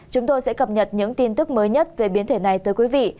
chúng tôi sẽ cập nhật những tin tức mới nhất về biến thể này tới quý vị